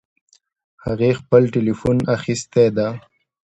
هغې خپل ټیلیفون اخیستی ده